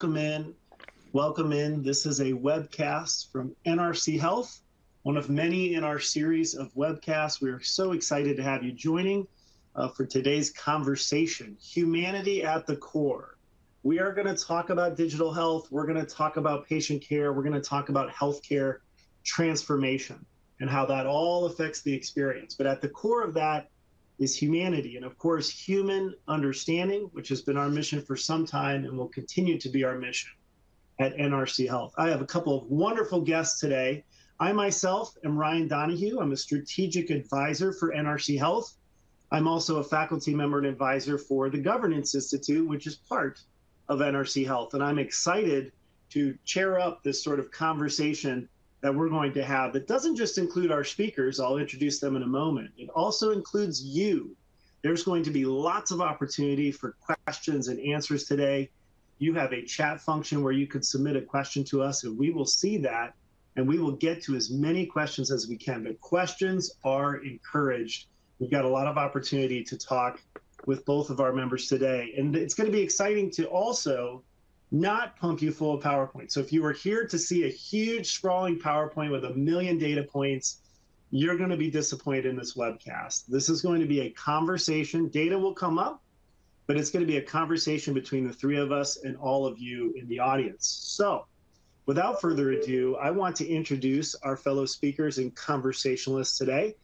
Welcome in. Welcome in. This is a webcast from NRC Health, one of many in our series of webcasts. We are so excited to have you joining for today's conversation, "Humanity at the Core." We are going to talk about digital health. We're going to talk about patient care. We're going to talk about healthcare transformation and how that all affects the experience. But at the core of that is humanity and, of course, human understanding, which has been our mission for some time and will continue to be our mission at NRC Health. I have a couple of wonderful guests today. I myself am Ryan Donohue. I'm a strategic advisor for NRC Health. I'm also a faculty member and advisor for the Governance Institute, which is part of NRC Health. I'm excited to chair up this sort of conversation that we're going to have that doesn't just include our speakers. I'll introduce them in a moment. It also includes you. There's going to be lots of opportunity for questions and answers today. You have a chat function where you can submit a question to us, and we will see that, and we will get to as many questions as we can. Questions are encouraged. We've got a lot of opportunity to talk with both of our members today. It's going to be exciting to also not pump you full of PowerPoints. If you were here to see a huge sprawling PowerPoint with a million data points, you're going to be disappointed in this webcast. This is going to be a conversation. Data will come up, but it's going to be a conversation between the three of us and all of you in the audience. So without further ado, I want to introduce our fellow speakers and conversationalists today.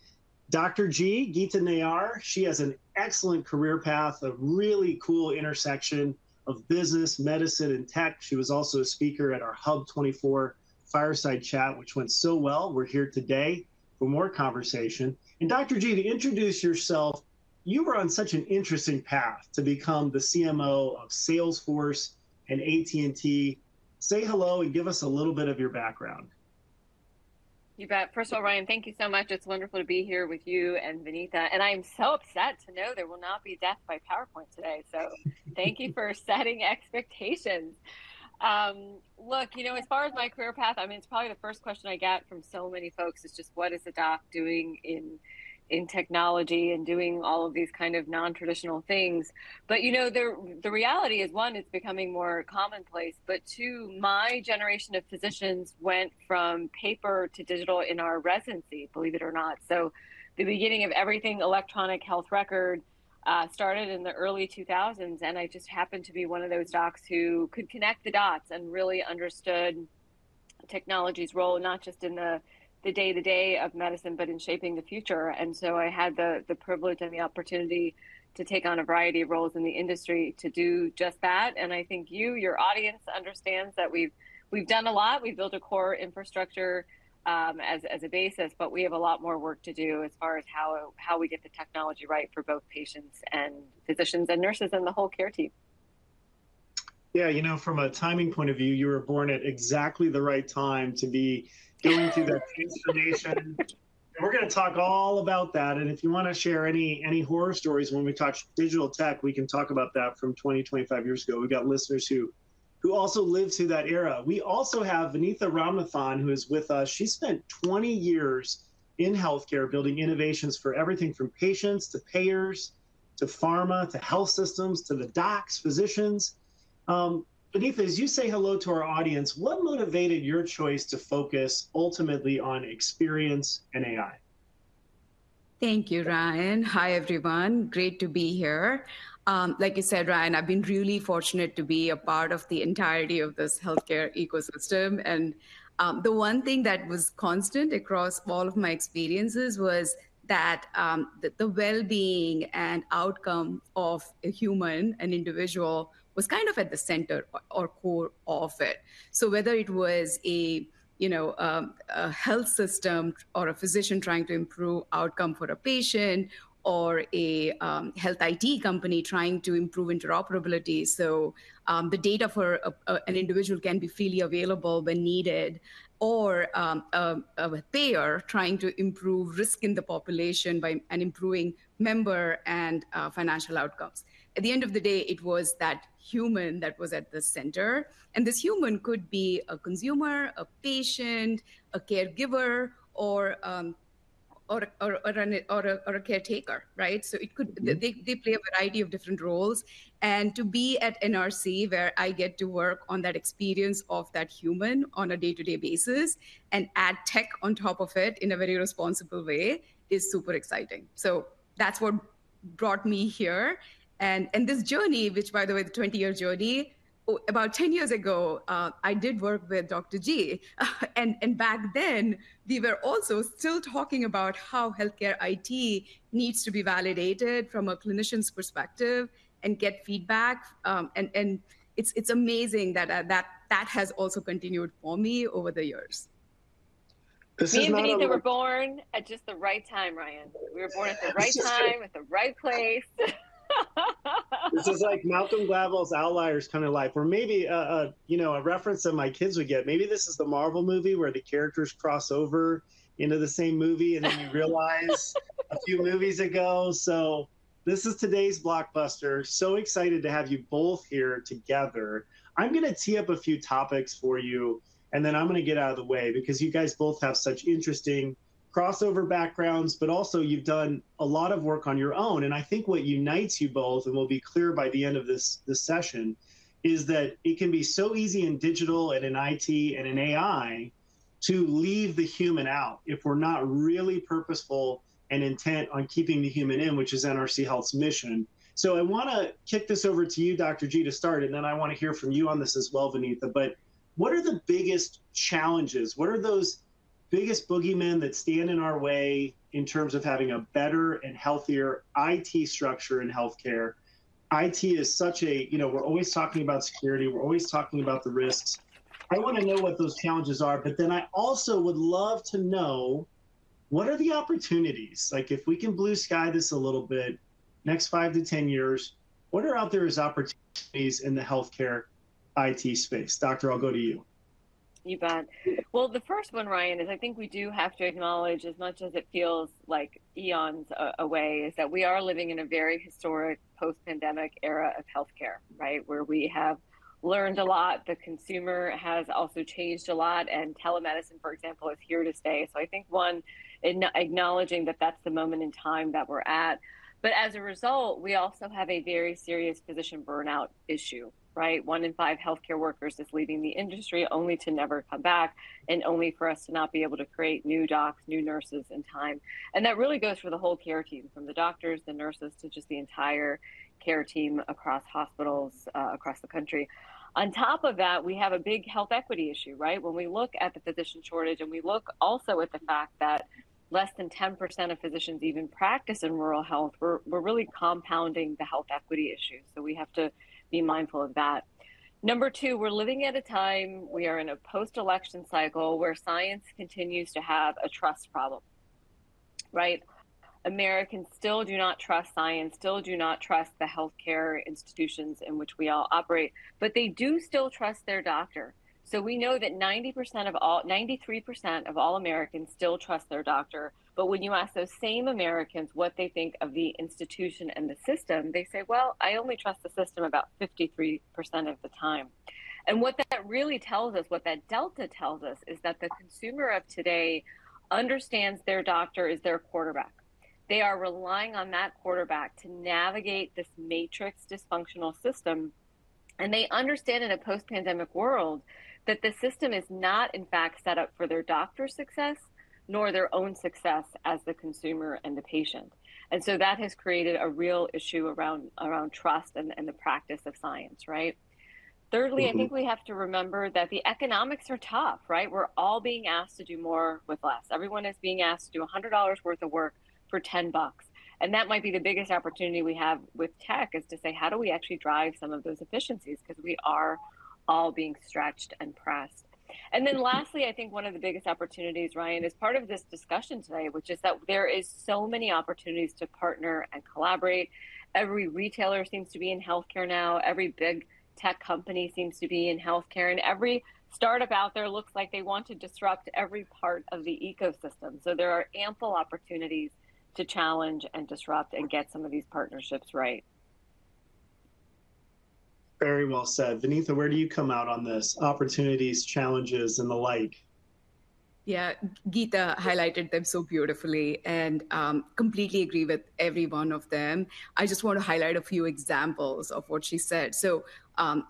Dr. Geeta Nayyar, she has an excellent career path, a really cool intersection of business, medicine, and tech. She was also a speaker at our HUB24 fireside chat, which went so well. We're here today for more conversation, and Dr. G, to introduce yourself, you were on such an interesting path to become the CMO of Salesforce and AT&T. Say hello and give us a little bit of your background. You bet. First of all, Ryan, thank you so much. It's wonderful to be here with you and Vinitha. And I'm so upset to know there will not be death by PowerPoint today. So thank you for setting expectations. Look, you know, as far as my career path, I mean, it's probably the first question I get from so many folks is just, what is a doc doing in technology and doing all of these kind of nontraditional things? But you know, the reality is, one, it's becoming more commonplace. But two, my generation of physicians went from paper to digital in our residency, believe it or not. So the beginning of everything electronic health record started in the early 2000s. And I just happened to be one of those docs who could connect the dots and really understood technology's role, not just in the day-to-day of medicine, but in shaping the future. And so I had the privilege and the opportunity to take on a variety of roles in the industry to do just that. And I think you, your audience, understands that we've done a lot. We've built a core infrastructure as a basis, but we have a lot more work to do as far as how we get the technology right for both patients and physicians and nurses and the whole care team. Yeah, you know, from a timing point of view, you were born at exactly the right time to be going through that transformation. And we're going to talk all about that. And if you want to share any horror stories when we talk digital tech, we can talk about that from 20, 25 years ago. We've got listeners who also live through that era. We also have Vinitha Ramnathan, who is with us. She spent 20 years in healthcare building innovations for everything from patients to payers to pharma to health systems to the docs, physicians. Vinitha, as you say hello to our audience, what motivated your choice to focus ultimately on experience and AI? Thank you, Ryan. Hi, everyone. Great to be here. Like you said, Ryan, I've been really fortunate to be a part of the entirety of this healthcare ecosystem. And the one thing that was constant across all of my experiences was that the well-being and outcome of a human, an individual, was kind of at the center or core of it. So whether it was, you know, a health system or a physician trying to improve outcome for a patient or a health IT company trying to improve interoperability. So the data for an individual can be freely available when needed, or a payer trying to improve risk in the population by improving member and financial outcomes. At the end of the day, it was that human that was at the center. And this human could be a consumer, a patient, a caregiver, or a caretaker, right? So they play a variety of different roles. And to be at NRC, where I get to work on that experience of that human on a day-to-day basis and add tech on top of it in a very responsible way, is super exciting. So that's what brought me here. And this journey, which, by the way, the 20-year journey, about 10 years ago, I did work with Dr. G. And back then, we were also still talking about how healthcare IT needs to be validated from a clinician's perspective and get feedback. And it's amazing that that has also continued for me over the years. This is like. Me and Vinitha were born at just the right time, Ryan. We were born at the right time at the right place. This is like Malcolm Gladwell's Outliers kind of life, or maybe, you know, a reference that my kids would get. Maybe this is the Marvel movie where the characters cross over into the same movie and then you realize a few movies ago. So this is today's blockbuster. So excited to have you both here together. I'm going to tee up a few topics for you, and then I'm going to get out of the way because you guys both have such interesting crossover backgrounds, but also you've done a lot of work on your own. And I think what unites you both, and we'll be clear by the end of this session, is that it can be so easy in digital and in IT and in AI to leave the human out if we're not really purposeful and intent on keeping the human in, which is NRC Health's mission. So I want to kick this over to you, Dr. G, to start. And then I want to hear from you on this as well, Vinitha. But what are the biggest challenges? What are those biggest boogeymen that stand in our way in terms of having a better and healthier IT structure in healthcare? IT is such a, you know, we're always talking about security. We're always talking about the risks. I want to know what those challenges are. But then I also would love to know, what are the opportunities? Like, if we can blue sky this a little bit, next five to ten years, what are out there as opportunities in the healthcare IT space? Doctor, I'll go to you. You bet. Well, the first one, Ryan, is I think we do have to acknowledge, as much as it feels like eons away, is that we are living in a very historic post-pandemic era of healthcare, right, where we have learned a lot. The consumer has also changed a lot. And telemedicine, for example, is here to stay. So I think one, acknowledging that that's the moment in time that we're at. But as a result, we also have a very serious physician burnout issue, right? One in five healthcare workers is leaving the industry only to never come back and only for us to not be able to create new docs, new nurses in time. And that really goes for the whole care team, from the doctors, the nurses, to just the entire care team across hospitals across the country. On top of that, we have a big health equity issue, right? When we look at the physician shortage and we look also at the fact that less than 10% of physicians even practice in rural health, we're really compounding the health equity issue. So we have to be mindful of that. Number two, we're living at a time, we are in a post-election cycle where science continues to have a trust problem, right? Americans still do not trust science, still do not trust the healthcare institutions in which we all operate, but they do still trust their doctor. So we know that 90% of all, 93% of all Americans still trust their doctor. But when you ask those same Americans what they think of the institution and the system, they say, well, I only trust the system about 53% of the time. What that really tells us, what that delta tells us, is that the consumer of today understands their doctor is their quarterback. They are relying on that quarterback to navigate this matrix dysfunctional system. And they understand in a post-pandemic world that the system is not, in fact, set up for their doctor's success, nor their own success as the consumer and the patient. And so that has created a real issue around trust and the practice of science, right? Thirdly, I think we have to remember that the economics are tough, right? We're all being asked to do more with less. Everyone is being asked to do $100 worth of work for $10. And that might be the biggest opportunity we have with tech is to say, how do we actually drive some of those efficiencies? Because we are all being stretched and pressed. And then lastly, I think one of the biggest opportunities, Ryan, is part of this discussion today, which is that there are so many opportunities to partner and collaborate. Every retailer seems to be in healthcare now. Every big tech company seems to be in healthcare. And every startup out there looks like they want to disrupt every part of the ecosystem. So there are ample opportunities to challenge and disrupt and get some of these partnerships right. Very well said. Vinita, where do you come out on this? Opportunities, challenges, and the like. Yeah, Gita highlighted them so beautifully and completely agree with every one of them. I just want to highlight a few examples of what she said. So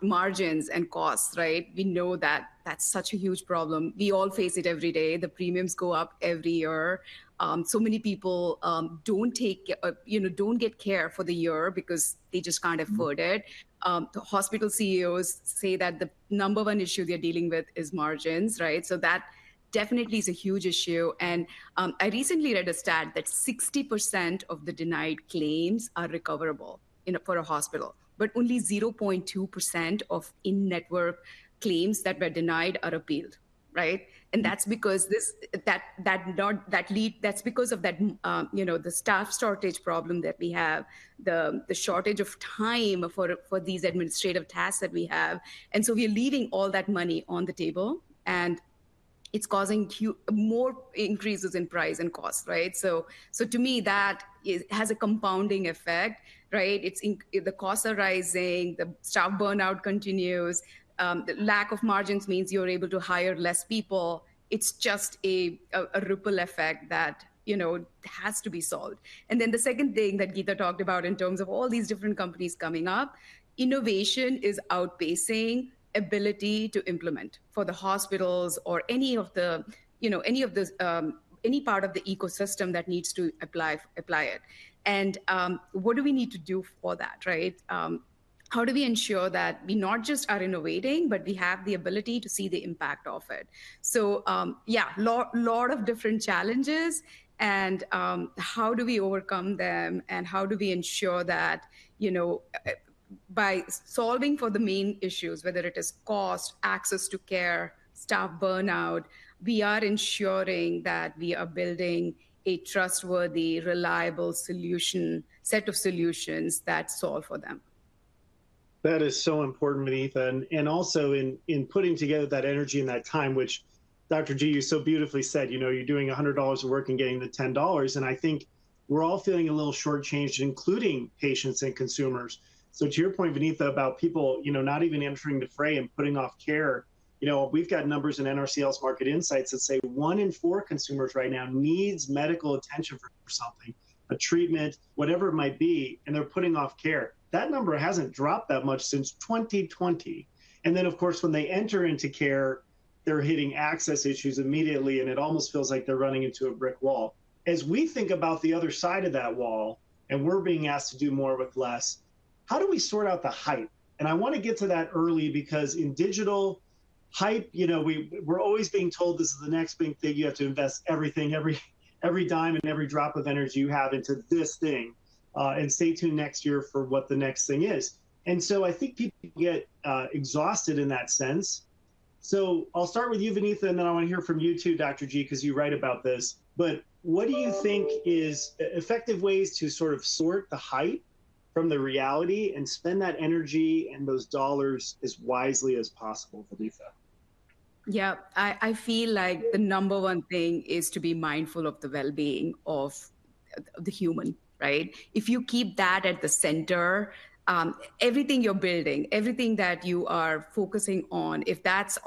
margins and costs, right? We know that that's such a huge problem. We all face it every day. The premiums go up every year. So many people don't take, you know, don't get care for the year because they just kind of foot it. The hospital CEOs say that the number one issue they're dealing with is margins, right? So that definitely is a huge issue. And I recently read a stat that 60% of the denied claims are recoverable for a hospital, but only 0.2% of in-network claims that were denied are appealed, right? And that's because of that, you know, the staff shortage problem that we have, the shortage of time for these administrative tasks that we have. And so we are leaving all that money on the table, and it's causing more increases in price and cost, right? So to me, that has a compounding effect, right? The costs are rising, the staff burnout continues, the lack of margins means you're able to hire less people. It's just a ripple effect that, you know, has to be solved. And then the second thing that Gita talked about in terms of all these different companies coming up, innovation is outpacing ability to implement for the hospitals or any of the, you know, any part of the ecosystem that needs to apply it. And what do we need to do for that, right? How do we ensure that we not just are innovating, but we have the ability to see the impact of it? So yeah, a lot of different challenges. And how do we overcome them? And how do we ensure that, you know, by solving for the main issues, whether it is cost, access to care, staff burnout, we are ensuring that we are building a trustworthy, reliable set of solutions that solve for them. That is so important, Vinitha. And also in putting together that energy and that time, which Dr. G, you so beautifully said, you know, you're doing $100 of work and getting the $10. And I think we're all feeling a little shortchanged, including patients and consumers. So to your point, Vinitha, about people, you know, not even entering the fray and putting off care, you know, we've got numbers in NRC Health Market Insights that say one in four consumers right now needs medical attention for something, a treatment, whatever it might be, and they're putting off care. That number hasn't dropped that much since 2020. And then, of course, when they enter into care, they're hitting access issues immediately, and it almost feels like they're running into a brick wall. As we think about the other side of that wall, and we're being asked to do more with less, how do we sort out the hype? And I want to get to that early because in digital hype, you know, we're always being told this is the next big thing. You have to invest everything, every dime and every drop of energy you have into this thing. And stay tuned next year for what the next thing is. And so I think people get exhausted in that sense. So I'll start with you, Vinitha, and then I want to hear from you too, Dr. G, because you write about this. But what do you think is effective ways to sort of sort the hype from the reality and spend that energy and those dollars as wisely as possible, Vinitha? Yeah, I feel like the number one thing is to be mindful of the well-being of the human, right? If you keep that at the center, everything you're building, everything that you are focusing on, if that's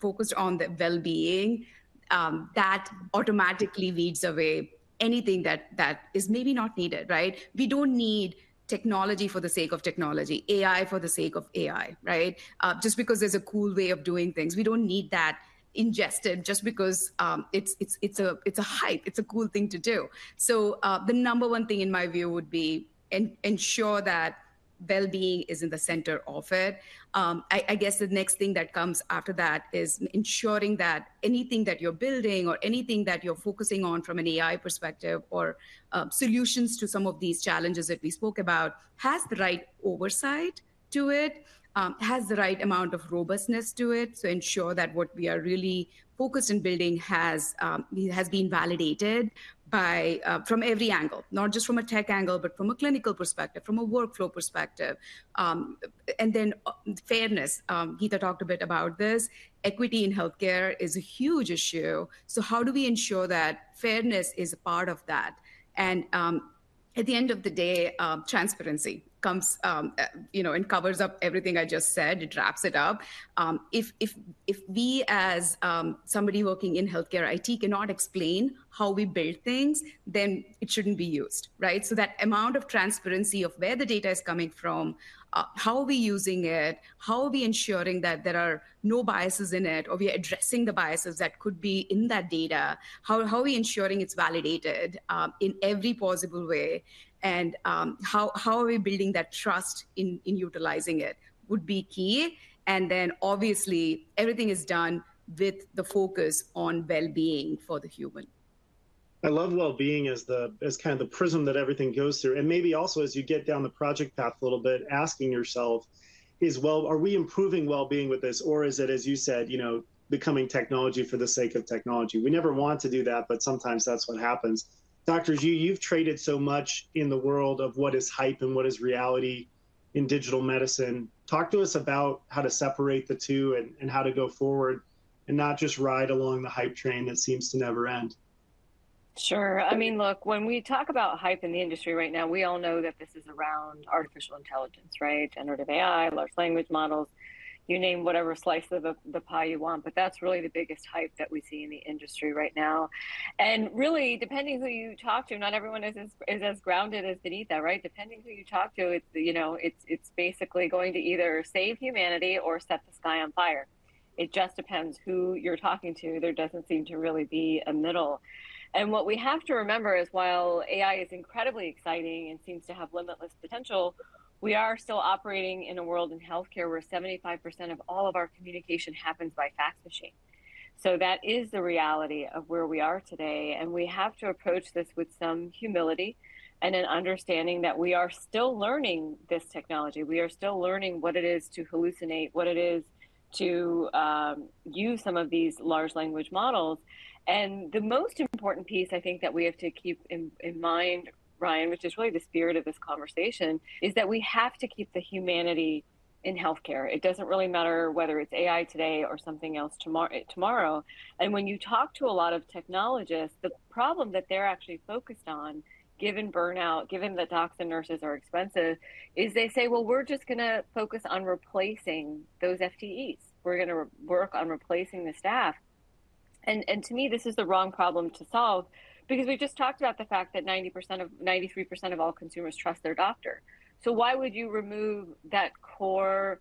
focused on the well-being, that automatically weeds away anything that is maybe not needed, right? We don't need technology for the sake of technology, AI for the sake of AI, right? Just because there's a cool way of doing things, we don't need that ingested just because it's a hype, it's a cool thing to do. So the number one thing in my view would be ensure that well-being is in the center of it. I guess the next thing that comes after that is ensuring that anything that you're building or anything that you're focusing on from an AI perspective or solutions to some of these challenges that we spoke about has the right oversight to it, has the right amount of robustness to it. So ensure that what we are really focused on building has been validated from every angle, not just from a tech angle, but from a clinical perspective, from a workflow perspective, and then fairness. Geeta talked a bit about this. Equity in healthcare is a huge issue. So how do we ensure that fairness is a part of that? And at the end of the day, transparency comes, you know, and covers up everything I just said. It wraps it up. If we, as somebody working in healthcare IT, cannot explain how we build things, then it shouldn't be used, right? So that amount of transparency of where the data is coming from, how are we using it, how are we ensuring that there are no biases in it, or we are addressing the biases that could be in that data, how are we ensuring it's validated in every possible way, and how are we building that trust in utilizing it would be key, and then obviously, everything is done with the focus on well-being for the human. I love well-being as kind of the prism that everything goes through. And maybe also as you get down the project path a little bit, asking yourself, well, are we improving well-being with this? Or is it, as you said, you know, becoming technology for the sake of technology? We never want to do that, but sometimes that's what happens. Doctors, you've traded so much in the world of what is hype and what is reality in digital medicine. Talk to us about how to separate the two and how to go forward and not just ride along the hype train that seems to never end. Sure. I mean, look, when we talk about hype in the industry right now, we all know that this is around artificial intelligence, right? Generative AI, large language models, you name whatever slice of the pie you want, but that's really the biggest hype that we see in the industry right now. And really, depending who you talk to, not everyone is as grounded as Vinitha, right? Depending who you talk to, you know, it's basically going to either save humanity or set the sky on fire. It just depends who you're talking to. There doesn't seem to really be a middle. And what we have to remember is while AI is incredibly exciting and seems to have limitless potential, we are still operating in a world in healthcare where 75% of all of our communication happens by fax machine. So that is the reality of where we are today. And we have to approach this with some humility and an understanding that we are still learning this technology. We are still learning what it is to hallucinate, what it is to use some of these large language models. And the most important piece, I think, that we have to keep in mind, Ryan, which is really the spirit of this conversation, is that we have to keep the humanity in healthcare. It doesn't really matter whether it's AI today or something else tomorrow. And when you talk to a lot of technologists, the problem that they're actually focused on, given burnout, given that docs and nurses are expensive, is they say, well, we're just going to focus on replacing those FTEs. We're going to work on replacing the staff. And to me, this is the wrong problem to solve because we just talked about the fact that 90% of 93% of all consumers trust their doctor. So why would you remove that core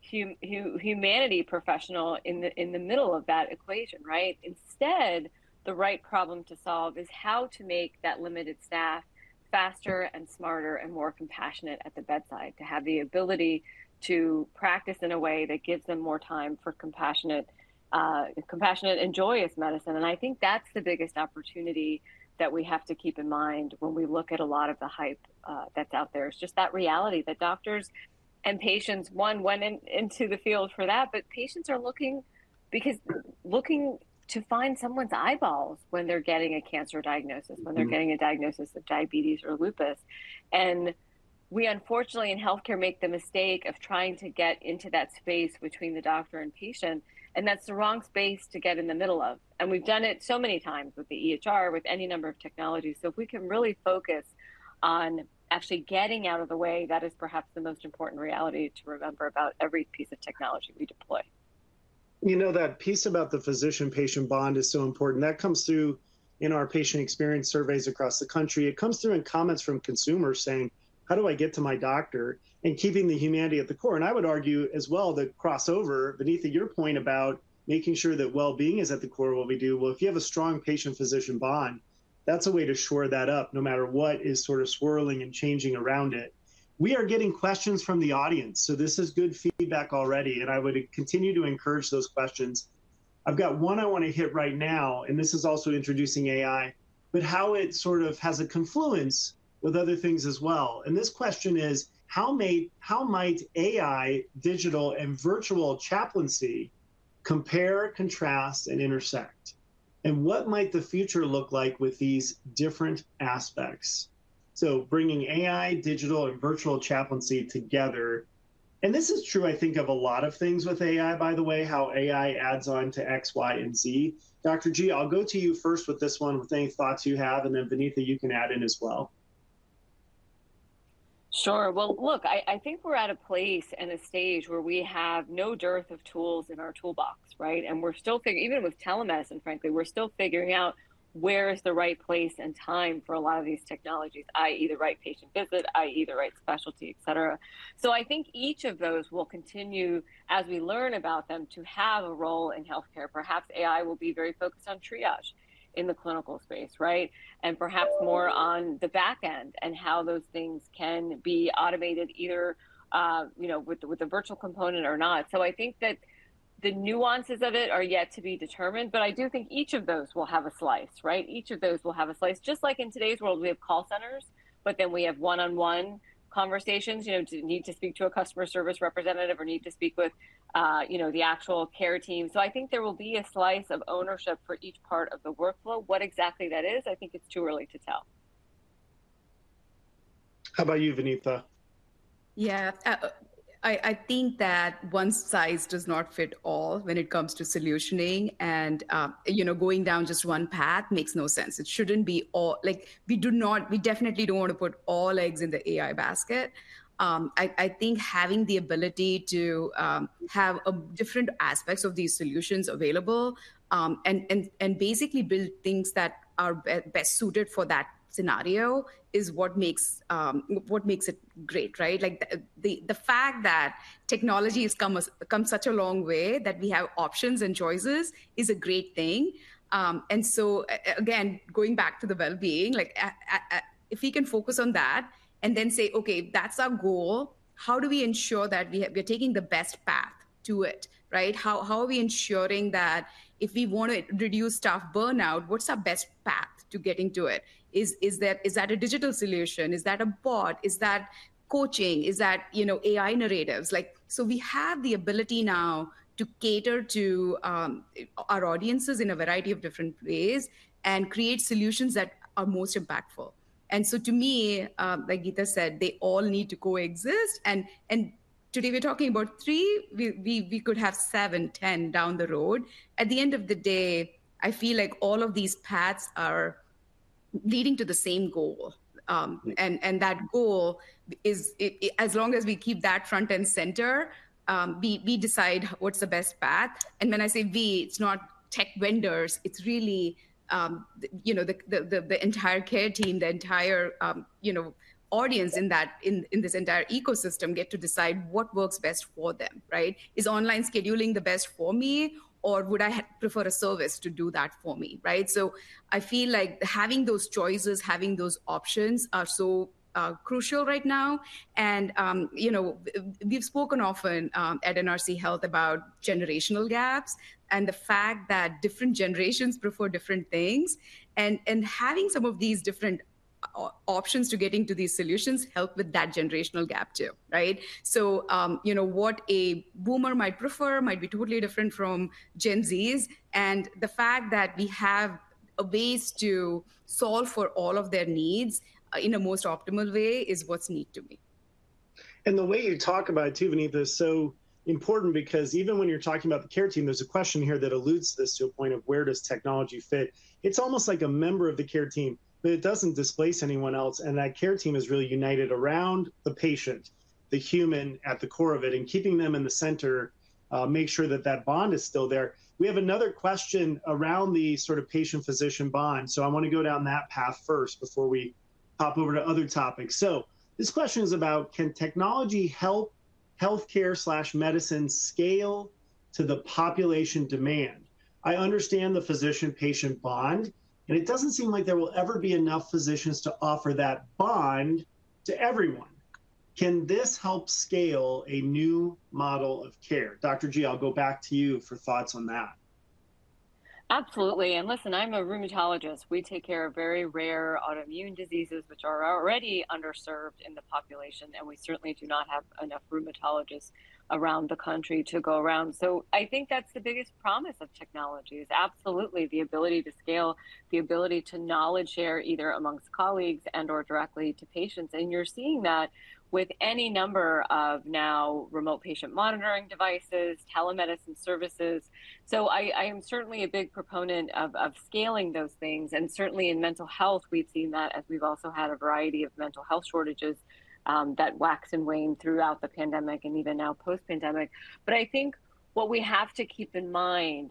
humanity professional in the middle of that equation, right? Instead, the right problem to solve is how to make that limited staff faster and smarter and more compassionate at the bedside to have the ability to practice in a way that gives them more time for compassionate and joyous medicine. And I think that's the biggest opportunity that we have to keep in mind when we look at a lot of the hype that's out there. It's just that reality that doctors and patients, one, went into the field for that, but patients are looking to find someone's eyeballs when they're getting a cancer diagnosis, when they're getting a diagnosis of diabetes or lupus. And we unfortunately in healthcare make the mistake of trying to get into that space between the doctor and patient. And that's the wrong space to get in the middle of. And we've done it so many times with the EHR, with any number of technologies. So if we can really focus on actually getting out of the way, that is perhaps the most important reality to remember about every piece of technology we deploy. You know, that piece about the physician-patient bond is so important. That comes through in our patient experience surveys across the country. It comes through in comments from consumers saying, how do I get to my doctor and keeping the humanity at the core? And I would argue as well that crossover, Vinitha, your point about making sure that well-being is at the core of what we do. Well, if you have a strong patient-physician bond, that's a way to shore that up no matter what is sort of swirling and changing around it. We are getting questions from the audience. So this is good feedback already. And I would continue to encourage those questions. I've got one I want to hit right now. And this is also introducing AI, but how it sort of has a confluence with other things as well. And this question is, how might AI, digital and virtual chaplaincy compare, contrast, and intersect? And what might the future look like with these different aspects? So bringing AI, digital, and virtual chaplaincy together. And this is true, I think, of a lot of things with AI, by the way, how AI adds on to X, Y, and Z. Dr. G, I'll go to you first with this one, with any thoughts you have. And then Vinitha, you can add in as well. Sure. Well, look, I think we're at a place and a stage where we have no dearth of tools in our toolbox, right? And we're still figuring, even with telemedicine, frankly, we're still figuring out where is the right place and time for a lot of these technologies, i.e., the right patient visit, i.e., the right specialty, et cetera. So I think each of those will continue, as we learn about them, to have a role in healthcare. Perhaps AI will be very focused on triage in the clinical space, right? And perhaps more on the backend and how those things can be automated either, you know, with the virtual component or not. So I think that the nuances of it are yet to be determined. But I do think each of those will have a slice, right? Each of those will have a slice. Just like in today's world, we have call centers, but then we have one-on-one conversations, you know, need to speak to a customer service representative or need to speak with, you know, the actual care team. So I think there will be a slice of ownership for each part of the workflow. What exactly that is, I think it's too early to tell. How about you, Vinitha? Yeah, I think that one size does not fit all when it comes to solutioning. And, you know, going down just one path makes no sense. It shouldn't be all, like, we do not, we definitely don't want to put all eggs in the AI basket. I think having the ability to have different aspects of these solutions available and basically build things that are best suited for that scenario is what makes it great, right? Like the fact that technology has come such a long way that we have options and choices is a great thing. And so again, going back to the well-being, like if we can focus on that and then say, okay, that's our goal, how do we ensure that we are taking the best path to it, right? How are we ensuring that if we want to reduce staff burnout, what's our best path to getting to it? Is that a digital solution? Is that a bot? Is that coaching? Is that, you know, AI narratives? Like, so we have the ability now to cater to our audiences in a variety of different ways and create solutions that are most impactful. And so to me, like Gita said, they all need to coexist. And today we're talking about three, we could have seven, 10 down the road. At the end of the day, I feel like all of these paths are leading to the same goal. And that goal is, as long as we keep that front and center, we decide what's the best path. And when I say we, it's not tech vendors, it's really, you know, the entire care team, the entire, you know, audience in this entire ecosystem get to decide what works best for them, right? Is online scheduling the best for me or would I prefer a service to do that for me, right? So I feel like having those choices, having those options are so crucial right now. And, you know, we've spoken often at NRC Health about generational gaps and the fact that different generations prefer different things. And having some of these different options to getting to these solutions helps with that generational gap too, right? So, you know, what a boomer might prefer might be totally different from Gen Zs. And the fact that we have a ways to solve for all of their needs in a most optimal way is what's need to be. And the way you talk about it too, Vinitha, is so important because even when you're talking about the care team, there's a question here that alludes to this to a point of where does technology fit. It's almost like a member of the care team, but it doesn't displace anyone else. And that care team is really united around the patient, the human at the core of it and keeping them in the center, make sure that that bond is still there. We have another question around the sort of patient-physician bond. So I want to go down that path first before we hop over to other topics. So this question is about, can technology help healthcare or medicine scale to the population demand? I understand the physician-patient bond, and it doesn't seem like there will ever be enough physicians to offer that bond to everyone. Can this help scale a new model of care? Dr. G, I'll go back to you for thoughts on that. Absolutely. And listen, I'm a rheumatologist. We take care of very rare autoimmune diseases, which are already underserved in the population. And we certainly do not have enough rheumatologists around the country to go around. So I think that's the biggest promise of technology is absolutely the ability to scale, the ability to knowledge share either amongst colleagues and/or directly to patients. And you're seeing that with any number of now remote patient monitoring devices, telemedicine services. So I am certainly a big proponent of scaling those things. And certainly in mental health, we've seen that as we've also had a variety of mental health shortages that wax and wane throughout the pandemic and even now post-pandemic. But I think what we have to keep in mind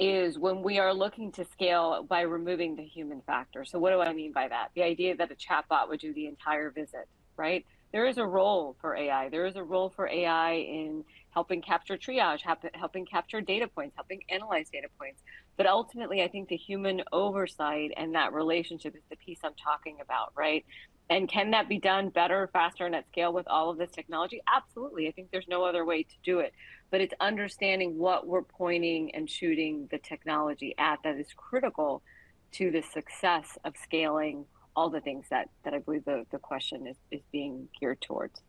is when we are looking to scale by removing the human factor. So what do I mean by that? The idea that a chatbot would do the entire visit, right? There is a role for AI. There is a role for AI in helping capture triage, helping capture data points, helping analyze data points. But ultimately, I think the human oversight and that relationship is the piece I'm talking about, right? And can that be done better, faster, and at scale with all of this technology? Absolutely. I think there's no other way to do it. But it's understanding what we're pointing and shooting the technology at that is critical to the success of scaling all the things that I believe the question is being geared towards.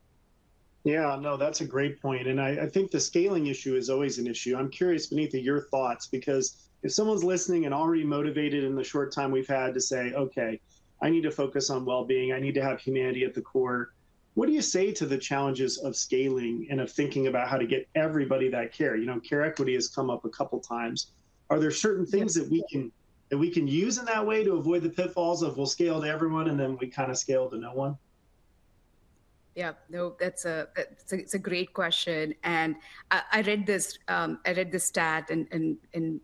Yeah, no, that's a great point. And I think the scaling issue is always an issue. I'm curious, Vinitha, your thoughts, because if someone's listening and already motivated in the short time we've had to say, okay, I need to focus on well-being, I need to have humanity at the core, what do you say to the challenges of scaling and of thinking about how to get everybody that care? You know, care equity has come up a couple of times. Are there certain things that we can use in that way to avoid the pitfalls of we'll scale to everyone and then we kind of scale to no one? Yeah, no, that's a great question, and I read this stat and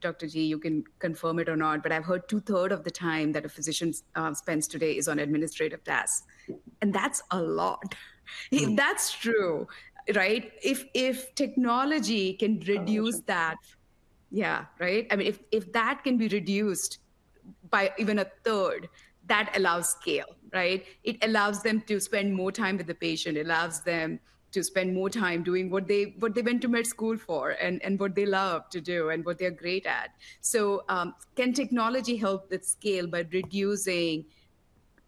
Dr. G, you can confirm it or not, but I've heard two-thirds of the time that a physician spends today is on administrative tasks, and that's a lot. That's true, right? If technology can reduce that, yeah, right? I mean, if that can be reduced by even a third, that allows scale, right? It allows them to spend more time with the patient, allows them to spend more time doing what they went to med school for and what they love to do and what they're great at. So can technology help with scale by reducing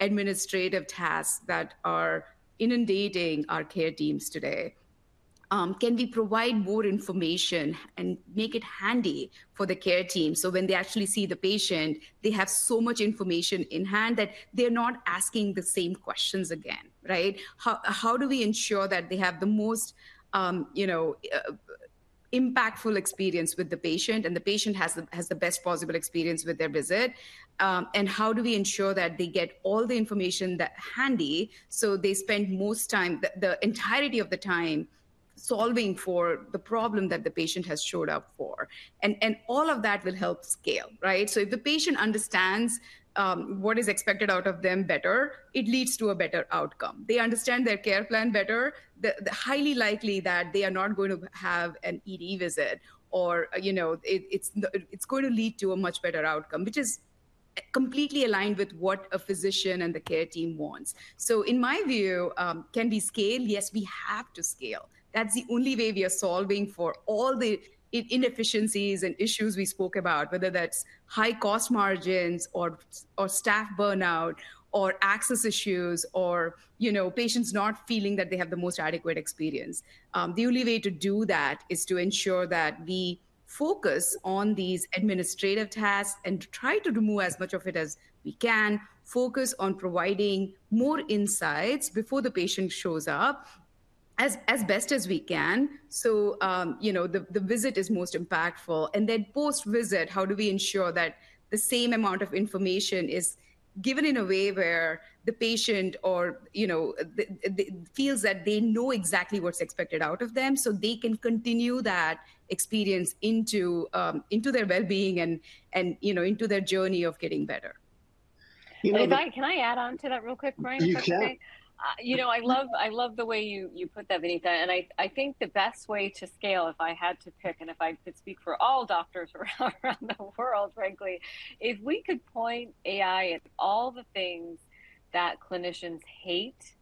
administrative tasks that are inundating our care teams today? Can we provide more information and make it handy for the care team? So when they actually see the patient, they have so much information in hand that they're not asking the same questions again, right? How do we ensure that they have the most, you know, impactful experience with the patient and the patient has the best possible experience with their visit? And how do we ensure that they get all the information handy so they spend most time, the entirety of the time solving for the problem that the patient has showed up for? And all of that will help scale, right? So if the patient understands what is expected out of them better, it leads to a better outcome. They understand their care plan better, highly likely that they are not going to have an ED visit or, you know, it's going to lead to a much better outcome, which is completely aligned with what a physician and the care team wants. So in my view, can we scale? Yes, we have to scale. That's the only way we are solving for all the inefficiencies and issues we spoke about, whether that's high cost margins or staff burnout or access issues or, you know, patients not feeling that they have the most adequate experience. The only way to do that is to ensure that we focus on these administrative tasks and try to remove as much of it as we can, focus on providing more insights before the patient shows up as best as we can. So, you know, the visit is most impactful. And then post-visit, how do we ensure that the same amount of information is given in a way where the patient or, you know, feels that they know exactly what's expected out of them so they can continue that experience into their well-being and, you know, into their journey of getting better? Can I add on to that real quick, Brian? You can. You know, I love the way you put that, Vinitha. And I think the best way to scale, if I had to pick and if I could speak for all doctors around the world, frankly, if we could point AI at all the things that clinicians hate,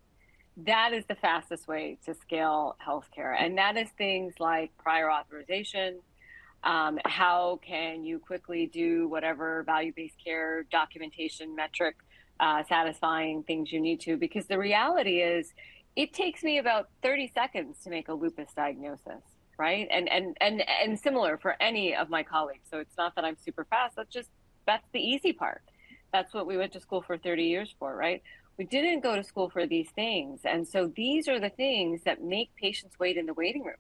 that is the fastest way to scale healthcare. And that is things like prior authorization. How can you quickly do whatever value-based care documentation metric satisfying things you need to? Because the reality is it takes me about 30 seconds to make a lupus diagnosis, right? And similar for any of my colleagues. So it's not that I'm super fast. That's just, that's the easy part. That's what we went to school for 30 years for, right? We didn't go to school for these things. And so these are the things that make patients wait in the waiting room.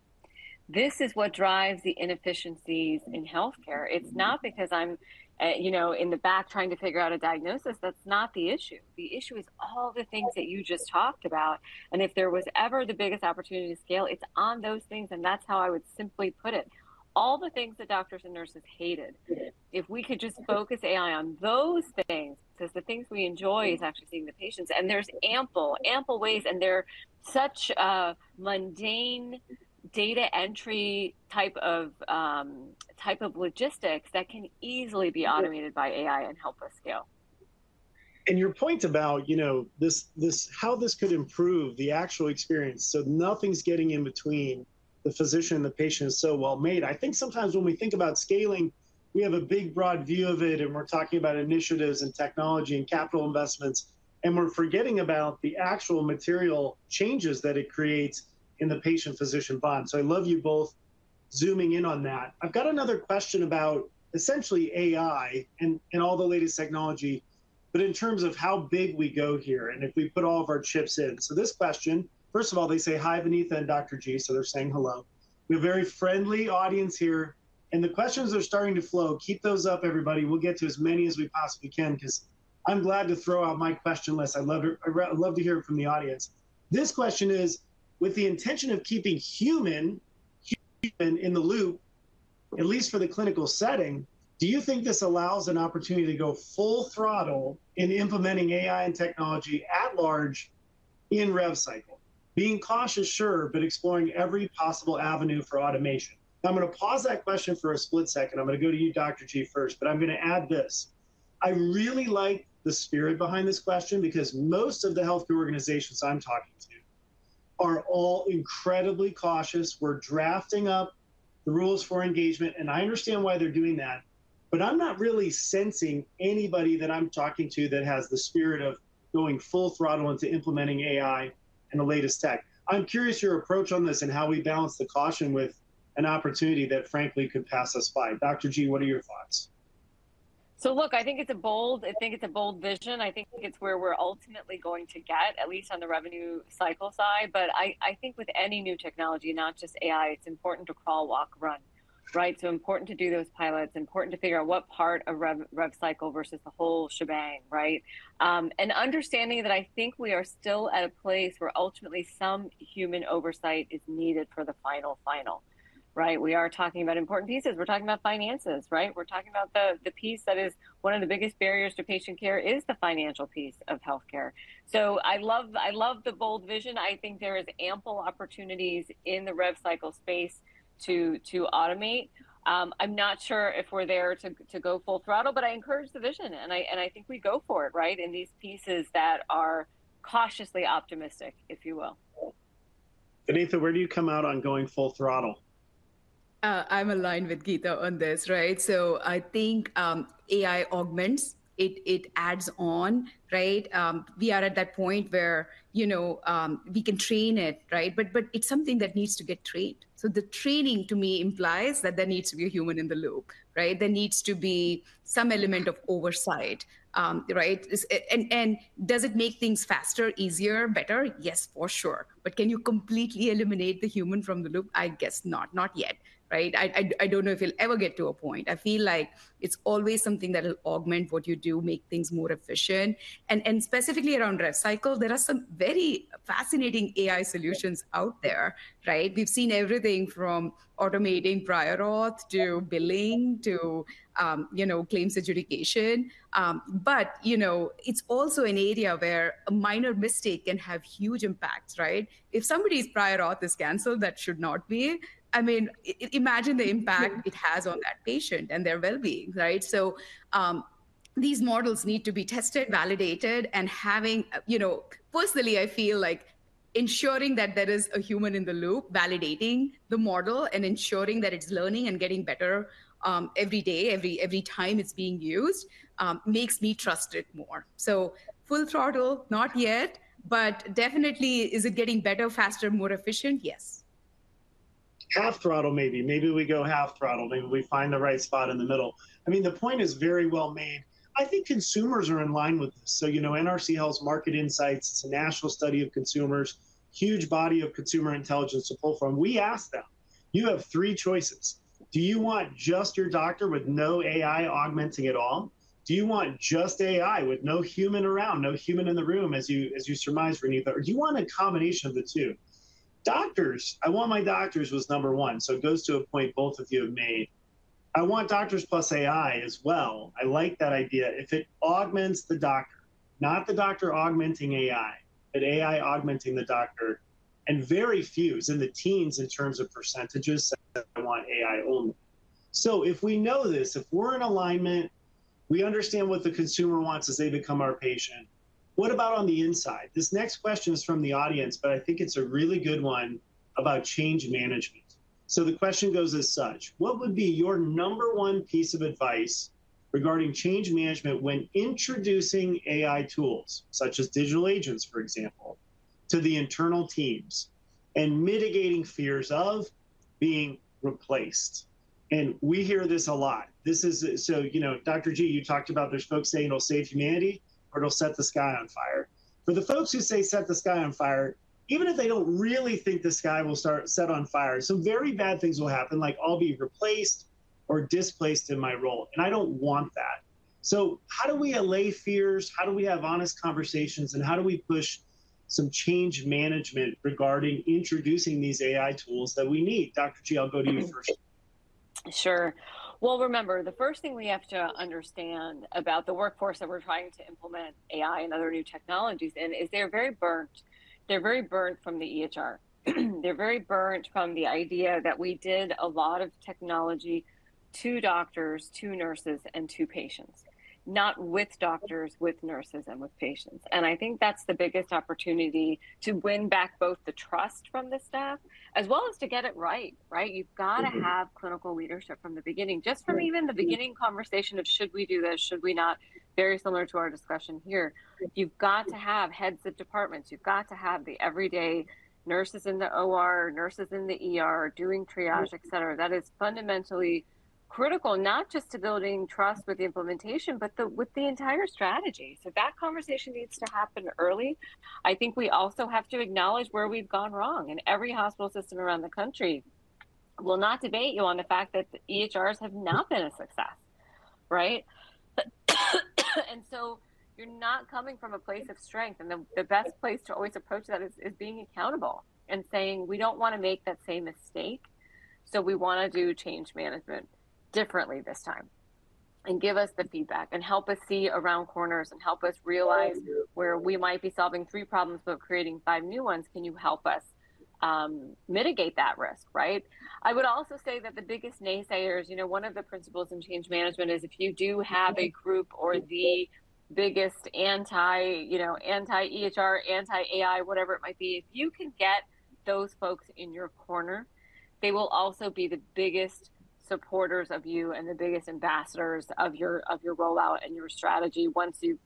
This is what drives the inefficiencies in healthcare. It's not because I'm, you know, in the back trying to figure out a diagnosis. That's not the issue. The issue is all the things that you just talked about, and if there was ever the biggest opportunity to scale, it's on those things, and that's how I would simply put it: all the things that doctors and nurses hated. If we could just focus AI on those things, because the things we enjoy is actually seeing the patients, and there's ample ways, and they're such mundane data entry type of logistics that can easily be automated by AI and help us scale. Your point about, you know, how this could improve the actual experience. Nothing's getting in between the physician and the patient is so well made. I think sometimes when we think about scaling, we have a big broad view of it, and we're talking about initiatives and technology and capital investments, and we're forgetting about the actual material changes that it creates in the patient-physician bond. I love you both zooming in on that. I've got another question about essentially AI and all the latest technology, but in terms of how big we go here and if we put all of our chips in. This question, first of all, they say hi, Vinitha and Dr. G, so they're saying hello. We have a very friendly audience here. The questions are starting to flow. Keep those up, everybody. We'll get to as many as we possibly can because I'm glad to throw out my question list. I'd love to hear it from the audience. This question is, with the intention of keeping human in the loop, at least for the clinical setting, do you think this allows an opportunity to go full throttle in implementing AI and technology at large in rev cycle? Being cautious, sure, but exploring every possible avenue for automation. I'm going to pause that question for a split second. I'm going to go to you, Dr. G, first, but I'm going to add this. I really like the spirit behind this question because most of the healthcare organizations I'm talking to are all incredibly cautious. We're drafting up the rules for engagement, and I understand why they're doing that, but I'm not really sensing anybody that I'm talking to that has the spirit of going full throttle into implementing AI and the latest tech. I'm curious your approach on this and how we balance the caution with an opportunity that frankly could pass us by. Dr. G, what are your thoughts? So look, I think it's a bold, I think it's a bold vision. I think it's where we're ultimately going to get, at least on the revenue cycle side. But I think with any new technology, not just AI, it's important to crawl, walk, run, right? So important to do those pilots, important to figure out what part of rev cycle versus the whole shebang, right? And understanding that I think we are still at a place where ultimately some human oversight is needed for the final, final, right? We are talking about important pieces. We're talking about finances, right? We're talking about the piece that is one of the biggest barriers to patient care is the financial piece of healthcare. So I love the bold vision. I think there are ample opportunities in the rev cycle space to automate. I'm not sure if we're there to go full throttle, but I encourage the vision and I think we go for it, right? In these pieces that are cautiously optimistic, if you will. Vinithha, where do you come out on going full throttle? I'm aligned with Geeta on this, right? So I think AI augments, it adds on, right? We are at that point where, you know, we can train it, right? But it's something that needs to get trained. So the training to me implies that there needs to be a human in the loop, right? There needs to be some element of oversight, right? And does it make things faster, easier, better? Yes, for sure. But can you completely eliminate the human from the loop? I guess not, not yet, right? I don't know if we'll ever get to a point. I feel like it's always something that will augment what you do, make things more efficient. And specifically around rev cycle, there are some very fascinating AI solutions out there, right? We've seen everything from automating prior auth to billing to, you know, claims adjudication. But, you know, it's also an area where a minor mistake can have huge impacts, right? If somebody's prior auth is canceled, that should not be. I mean, imagine the impact it has on that patient and their well-being, right? So these models need to be tested, validated, and having, you know, personally, I feel like ensuring that there is a human in the loop, validating the model and ensuring that it's learning and getting better every day, every time it's being used makes me trust it more. So full throttle, not yet, but definitely, is it getting better, faster, more efficient? Yes. Half throttle maybe. Maybe we go half throttle. Maybe we find the right spot in the middle. I mean, the point is very well made. I think consumers are in line with this. So, you know, NRC Health's Market Insights, it's a national study of consumers, huge body of consumer intelligence to pull from. We asked them, you have three choices. Do you want just your doctor with no AI augmenting at all? Do you want just AI with no human around, no human in the room, as you surmise, Vinitha? Or do you want a combination of the two? Doctors, I want my doctors was number one. So it goes to a point both of you have made. I want doctors plus AI as well. I like that idea. If it augments the doctor, not the doctor augmenting AI, but AI augmenting the doctor, and very few, it's in the teens in terms of percentages that I want AI only. If we know this, if we're in alignment, we understand what the consumer wants as they become our patient. What about on the inside? This next question is from the audience, but I think it's a really good one about change management. So the question goes as such. What would be your number one piece of advice regarding change management when introducing AI tools, such as digital agents, for example, to the internal teams and mitigating fears of being replaced? And we hear this a lot. This is, so, you know, Dr. G, you talked about there's folks saying it'll save humanity or it'll set the sky on fire. For the folks who say set the sky on fire, even if they don't really think the sky will start set on fire, some very bad things will happen, like I'll be replaced or displaced in my role. And I don't want that. So how do we allay fears? How do we have honest conversations? And how do we push some change management regarding introducing these AI tools that we need? Dr. G, I'll go to you first. Sure. Well, remember, the first thing we have to understand about the workforce that we're trying to implement AI and other new technologies in is they're very burnt. They're very burnt from the EHR. They're very burnt from the idea that we did a lot of technology to doctors, to nurses, and to patients, not with doctors, with nurses, and with patients. And I think that's the biggest opportunity to win back both the trust from the staff as well as to get it right, right? You've got to have clinical leadership from the beginning, just from even the beginning conversation of should we do this, should we not, very similar to our discussion here. You've got to have heads of departments. You've got to have the everyday nurses in the OR, nurses in the doing triage, et cetera. That is fundamentally critical, not just to building trust with the implementation, but with the entire strategy. So that conversation needs to happen early. I think we also have to acknowledge where we've gone wrong. And every hospital system around the country will not debate you on the fact that the EHRs have not been a success, right? And so you're not coming from a place of strength. And the best place to always approach that is being accountable and saying, we don't want to make that same mistake. So we want to do change management differently this time and give us the feedback and help us see around corners and help us realize where we might be solving three problems, but creating five new ones. Can you help us mitigate that risk, right? I would also say that the biggest naysayers, you know, one of the principles in change management is if you do have a group or the biggest anti, you know, anti-EHR, anti-AI, whatever it might be, if you can get those folks in your corner, they will also be the biggest supporters of you and the biggest ambassadors of your rollout and your strategy once you've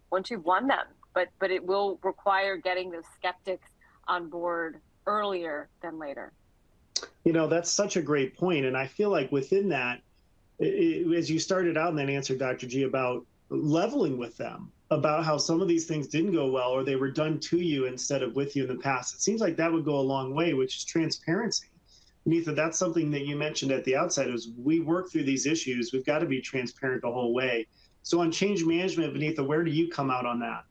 won them, but it will require getting those skeptics on board earlier than later. You know, that's such a great point, and I feel like within that, as you started out and then answered, Dr. G, about leveling with them about how some of these things didn't go well or they were done to you instead of with you in the past, it seems like that would go a long way, which is transparency. Vinitha, that's something that you mentioned at the outset, is we work through these issues. We've got to be transparent the whole way, so on change management, Vinitha, where do you come out on that?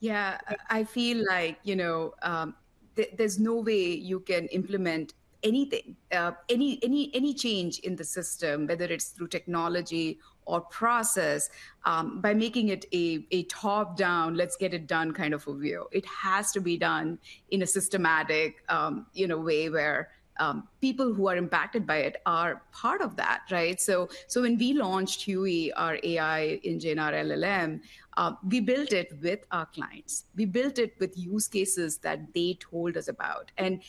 Yeah, I feel like, you know, there's no way you can implement anything, any change in the system, whether it's through technology or process, by making it a top-down, let's get it done kind of a view. It has to be done in a systematic, you know, way where people who are impacted by it are part of that, right? So when we launched Huey, our AI engine, our LLM, we built it with our clients. We built it with use cases that they told us about. And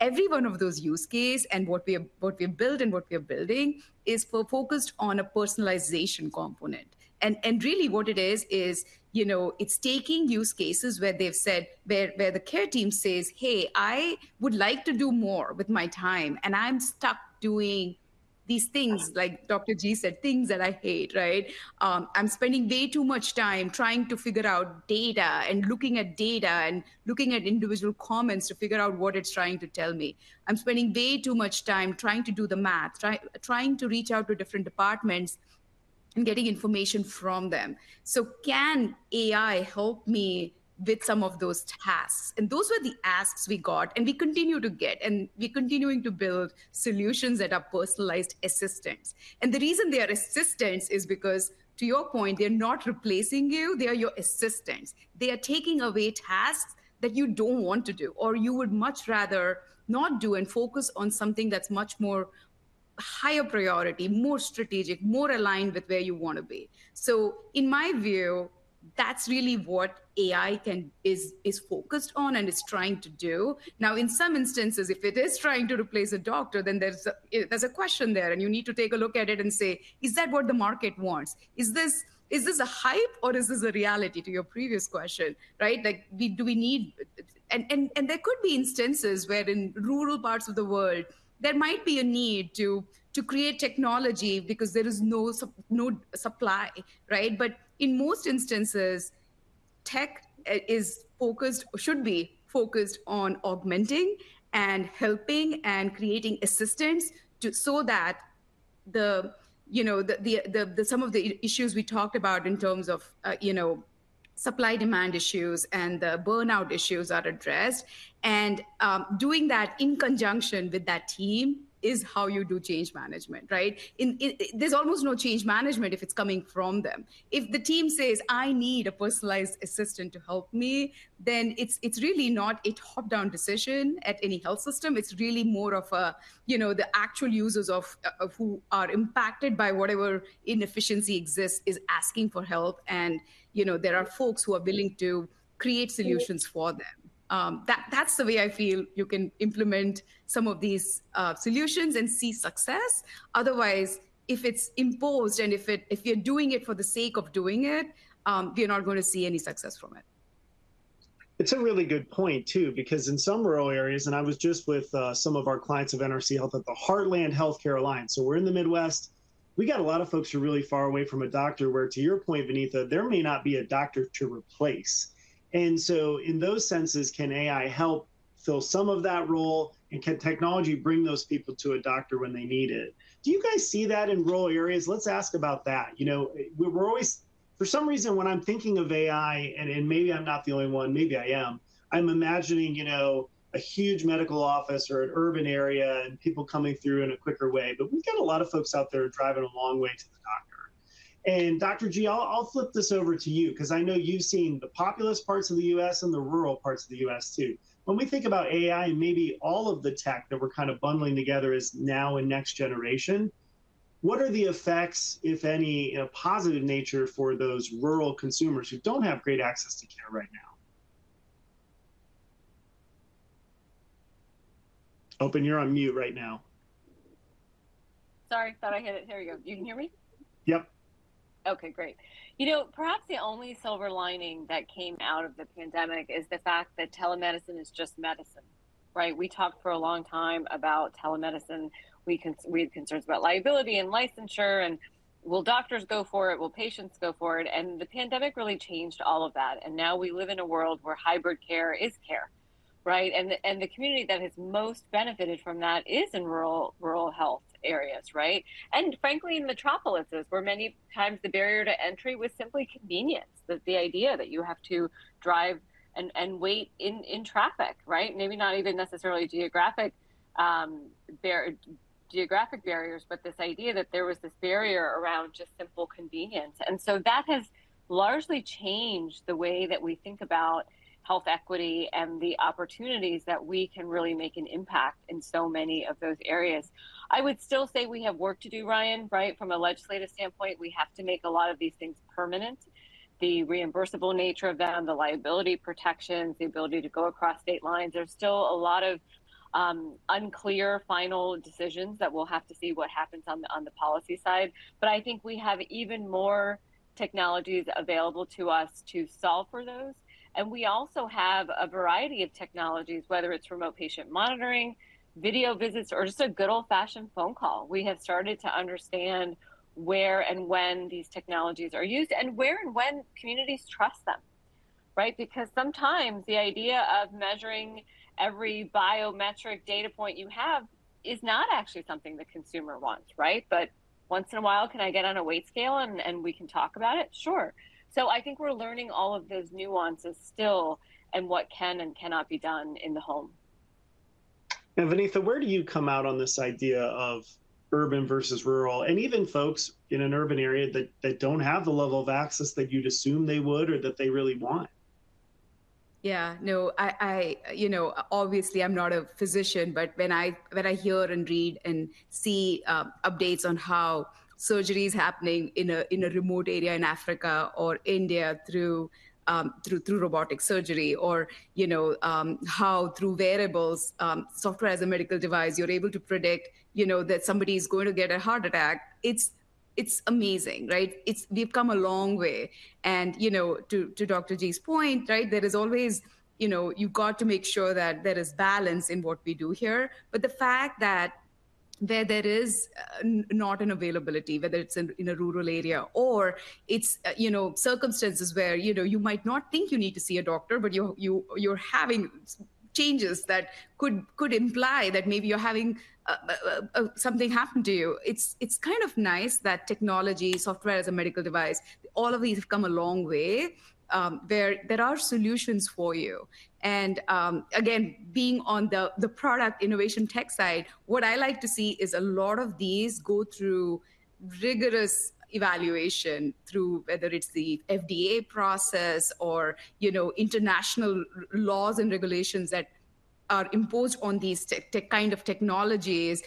every one of those use cases and what we have built and what we are building is focused on a personalization component. And really what it is, is, you know, it's taking use cases where they've said, where the care team says, hey, I would like to do more with my time, and I'm stuck doing these things, like Dr. G said, "Things that I hate, right? I'm spending way too much time trying to figure out data and looking at data and looking at individual comments to figure out what it's trying to tell me. I'm spending way too much time trying to do the math, trying to reach out to different departments and getting information from them. So can AI help me with some of those tasks?" And those were the asks we got, and we continue to get, and we're continuing to build solutions that are personalized assistants. And the reason they are assistants is because, to your point, they're not replacing you. They are your assistants. They are taking away tasks that you don't want to do or you would much rather not do and focus on something that's much more higher priority, more strategic, more aligned with where you want to be. In my view, that's really what AI is focused on and is trying to do. Now, in some instances, if it is trying to replace a doctor, then there's a question there, and you need to take a look at it and say, is that what the market wants? Is this a hype or is this a reality to your previous question, right? Like, do we need? And there could be instances where in rural parts of the world, there might be a need to create technology because there is no supply, right? But in most instances, tech is focused, should be focused on augmenting and helping and creating assistants so that the, you know, some of the issues we talked about in terms of, you know, supply-demand issues and the burnout issues are addressed. Doing that in conjunction with that team is how you do change management, right? There's almost no change management if it's coming from them. If the team says, I need a personalized assistant to help me, then it's really not a top-down decision at any health system. It's really more of a, you know, the actual users who are impacted by whatever inefficiency exists is asking for help. And, you know, there are folks who are willing to create solutions for them. That's the way I feel you can implement some of these solutions and see success. Otherwise, if it's imposed and if you're doing it for the sake of doing it, you're not going to see any success from it. It's a really good point too, because in some rural areas, and I was just with some of our clients of NRC Health at the Heartland Healthcare Alliance, so we're in the Midwest. We got a lot of folks who are really far away from a doctor where, to your point, Vinitha, there may not be a doctor to replace. And so in those senses, can AI help fill some of that role? And can technology bring those people to a doctor when they need it? Do you guys see that in rural areas? Let's ask about that. You know, we're always, for some reason, when I'm thinking of AI, and maybe I'm not the only one, maybe I am, I'm imagining, you know, a huge medical office or an urban area and people coming through in a quicker way. But we've got a lot of folks out there driving a long way to the doctor. And Dr. G, I'll flip this over to you, because I know you've seen the populous parts of the U.S. and the rural parts of the U.S. too. When we think about AI and maybe all of the tech that we're kind of bundling together as now and next generation, what are the effects, if any, in a positive nature for those rural consumers who don't have great access to care right now? Open, you're on mute right now. Sorry, thought I hit it. Here we go. You can hear me? Yep. Okay, great. You know, perhaps the only silver lining that came out of the pandemic is the fact that telemedicine is just medicine, right? We talked for a long time about telemedicine. We had concerns about liability and licensure and will doctors go for it? Will patients go for it? And the pandemic really changed all of that. And now we live in a world where hybrid care is care, right? And the community that has most benefited from that is in rural health areas, right? And frankly, in metropolises, where many times the barrier to entry was simply convenience, the idea that you have to drive and wait in traffic, right? Maybe not even necessarily geographic barriers, but this idea that there was this barrier around just simple convenience. And so that has largely changed the way that we think about health equity and the opportunities that we can really make an impact in so many of those areas. I would still say we have work to do, Ryan, right? From a legislative standpoint, we have to make a lot of these things permanent. The reimbursable nature of them, the liability protections, the ability to go across state lines. There's still a lot of unclear final decisions that we'll have to see what happens on the policy side. But I think we have even more technologies available to us to solve for those. And we also have a variety of technologies, whether it's remote patient monitoring, video visits, or just a good old-fashioned phone call. We have started to understand where and when these technologies are used and where and when communities trust them, right? Because sometimes the idea of measuring every biometric data point you have is not actually something the consumer wants, right? But once in a while, can I get on a weight scale and we can talk about it? Sure. So I think we're learning all of those nuances still and what can and cannot be done in the home. Vinitha, where do you come out on this idea of urban versus rural and even folks in an urban area that don't have the level of access that you'd assume they would or that they really want? Yeah, no, I, you know, obviously I'm not a physician, but when I hear and read and see updates on how surgery is happening in a remote area in Africa or India through robotic surgery or, you know, how through wearables, Software as a Medical Device, you're able to predict, you know, that somebody is going to get a heart attack. It's amazing, right? We've come a long way, and, you know, to Dr. G's point, right, there is always, you know, you've got to make sure that there is balance in what we do here, but the fact that there is not an availability, whether it's in a rural area or it's, you know, circumstances where, you know, you might not think you need to see a doctor, but you're having changes that could imply that maybe you're having something happen to you. It's kind of nice that technology, Software as a Medical Device, all of these have come a long way where there are solutions for you, and again, being on the product innovation tech side, what I like to see is a lot of these go through rigorous evaluation through whether it's the FDA process or, you know, international laws and regulations that are imposed on these kinds of technologies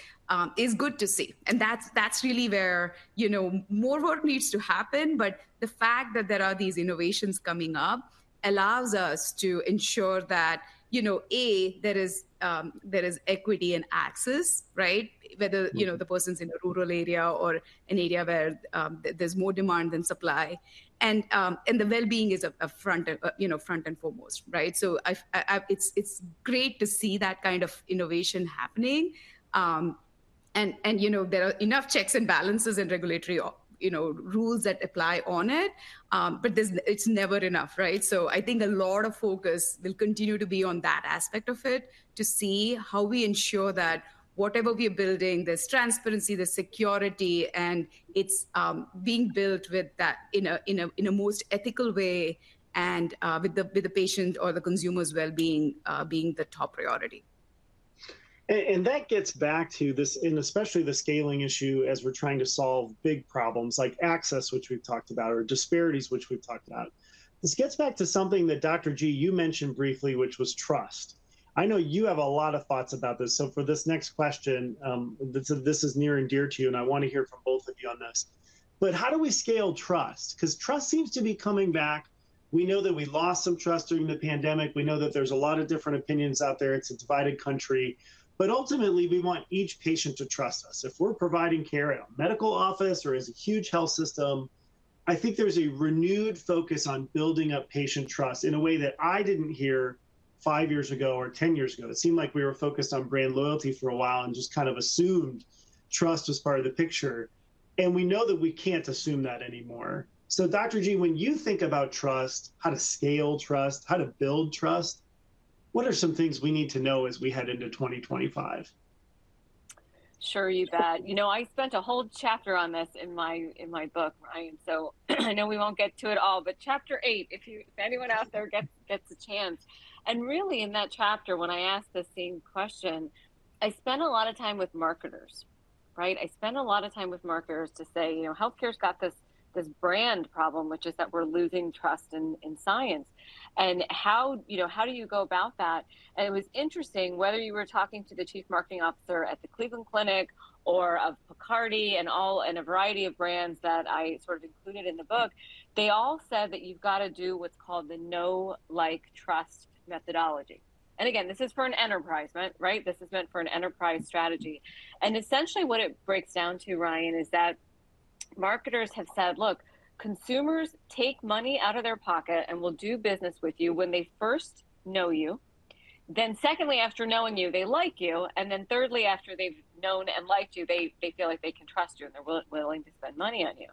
is good to see, and that's really where, you know, more work needs to happen, but the fact that there are these innovations coming up allows us to ensure that, you know, A, there is equity and access, right? Whether, you know, the person's in a rural area or an area where there's more demand than supply, and the well-being is a front, you know, front and foremost, right, so it's great to see that kind of innovation happening. You know, there are enough checks and balances and regulatory, you know, rules that apply on it, but it's never enough, right? So I think a lot of focus will continue to be on that aspect of it to see how we ensure that whatever we are building, there's transparency, there's security, and it's being built with that in a most ethical way and with the patient or the consumer's well-being being the top priority. And that gets back to this, and especially the scaling issue as we're trying to solve big problems like access, which we've talked about, or disparities, which we've talked about. This gets back to something that Dr. G, you mentioned briefly, which was trust. I know you have a lot of thoughts about this. So for this next question, this is near and dear to you, and I want to hear from both of you on this. But how do we scale trust? Because trust seems to be coming back. We know that we lost some trust during the pandemic. We know that there's a lot of different opinions out there. It's a divided country. But ultimately, we want each patient to trust us. If we're providing care at a medical office or as a huge health system, I think there's a renewed focus on building up patient trust in a way that I didn't hear five years ago or ten years ago. It seemed like we were focused on brand loyalty for a while and just kind of assumed trust was part of the picture. And we know that we can't assume that anymore. So Dr. G, when you think about trust, how to scale trust, how to build trust, what are some things we need to know as we head into 2025? Sure, you bet. You know, I spent a whole chapter on this in my book, Ryan. So I know we won't get to it all, but chapter eight, if anyone out there gets a chance. And really in that chapter, when I asked the same question, I spent a lot of time with marketers, right? I spent a lot of time with marketers to say, you know, healthcare's got this brand problem, which is that we're losing trust in science. And how, you know, how do you go about that? And it was interesting whether you were talking to the Chief Marketing Officer at the Cleveland Clinic or of Bacardi and all and a variety of brands that I sort of included in the book, they all said that you've got to do what's called the know-like-trust methodology. And again, this is for an enterprise, meant, right? This is meant for an enterprise strategy. And essentially what it breaks down to, Ryan, is that marketers have said, look, consumers take money out of their pocket and will do business with you when they first know you. Then secondly, after knowing you, they like you. And then thirdly, after they've known and liked you, they feel like they can trust you and they're willing to spend money on you.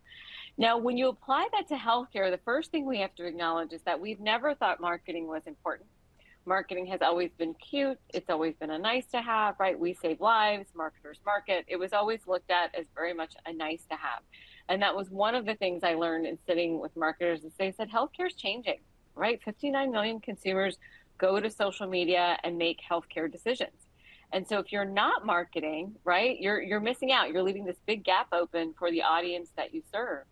Now, when you apply that to healthcare, the first thing we have to acknowledge is that we've never thought marketing was important. Marketing has always been cute. It's always been a nice to have, right? We save lives. Marketers market. It was always looked at as very much a nice to have. And that was one of the things I learned in sitting with marketers as they said, healthcare's changing, right? 59 million consumers go to social media and make healthcare decisions. And so if you're not marketing, right, you're missing out. You're leaving this big gap open for the audience that you serve.